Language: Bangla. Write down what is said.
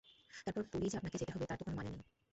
তারপর পুরীই যে আপনাকে যেতে হবে তার তো কোনো মানে নেই?